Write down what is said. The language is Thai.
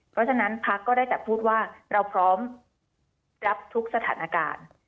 เพราะฉะนั้นพักก็ได้แต่พูดว่าเราพร้อมรับทุกสถานการณ์